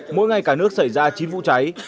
mỗi ngày cả nước xảy ra chín vụ cháy